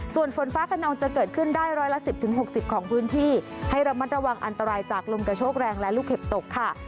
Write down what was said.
ส่วนฝนฟ้าขนองจะเกิดขึ้นได้ร้อยละ๑๐๖๐ของพื้นที่ให้ระมัดระวังอันตรายจากลมกระโชกแรงและลูกเห็บตกค่ะ